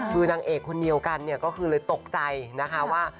คือนางเอกคนเดียวกันเนี่ยก็คือเลยตกใจนะคะว่า